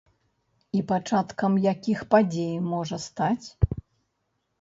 І пачаткам якіх падзей можа стаць?